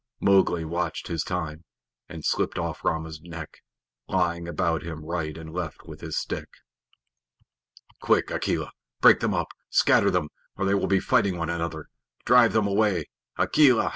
Mowgli watched his time, and slipped off Rama's neck, laying about him right and left with his stick. "Quick, Akela! Break them up. Scatter them, or they will be fighting one another. Drive them away, Akela.